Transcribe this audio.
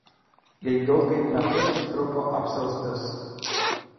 Ilgiau kaip metus truko apsiaustis.